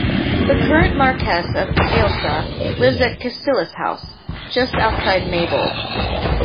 The current Marquess of Ailsa lives at Cassillis House, just outside Maybole.